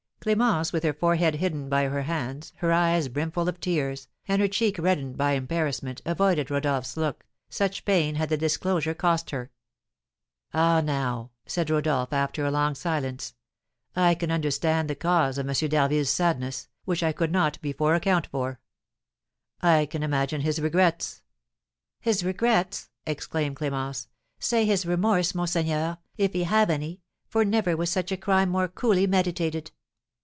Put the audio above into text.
Clémence, with her forehead hidden by her hands, her eyes brimful of tears, and her cheek reddened by embarrassment, avoided Rodolph's look, such pain had the disclosure cost her. "Ah, now," said Rodolph, after a long silence, "I can understand the cause of M. d'Harville's sadness, which I could not before account for. I can imagine his regrets " "His regrets!" exclaimed Clémence; "say his remorse, monseigneur, if he have any, for never was such a crime more coolly meditated."